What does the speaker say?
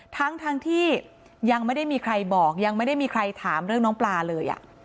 ทั้งที่ยังไม่ได้มีใครบอกยังไม่ได้มีใครถามเรื่องน้องปลาเลย